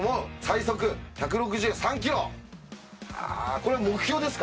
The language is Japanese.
これは目標ですか？